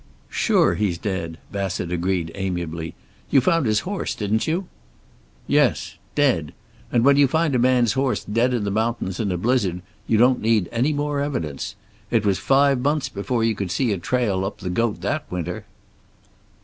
"Sure he's dead," Bassett agreed, amiably. "You found his horse, didn't you?" "Yes. Dead. And when you find a man's horse dead in the mountains in a blizzard, you don't need any more evidence. It was five months before you could see a trail up the Goat that winter."